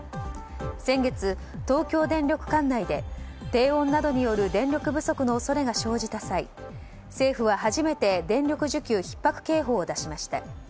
先月、東京電力管内で低温などによる電力不足の恐れが生じた際政府は初めて電力需給ひっ迫警報を出しました。